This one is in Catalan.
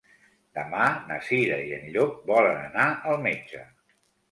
Demà na Cira i en Llop volen anar al metge.